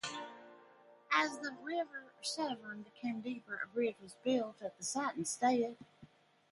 As the River Severn became deeper a bridge was built at the site instead.